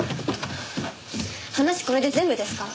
話これで全部ですから。